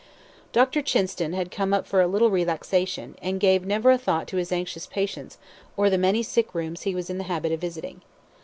Dr. Chinston had come up for a little relaxation, and gave never a thought to his anxious patients or the many sick rooms he was in the habit of visiting.